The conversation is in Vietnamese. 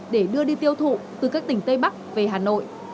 để đưa đi tiêu thụ từ các tỉnh tây bắc về hà nội